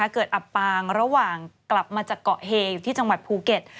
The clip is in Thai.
อับปางระหว่างกลับมาจากเกาะเฮอยู่ที่จังหวัดภูเก็ต